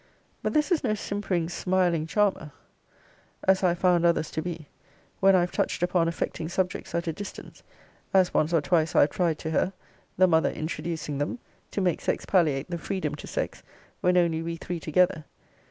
But this is no simpering, smiling charmer, as I have found others to be, when I have touched upon affecting subjects at a distance; as once or twice I have tried to her, the mother introducing them (to make sex palliate the freedom to sex) when only we three together.